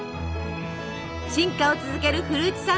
進化を続けるフルーツサンド。